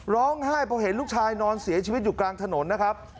ร้องไห้พอเห็นลูกชายนอนเสียชีวิตอยู่กลางถนนนะครับ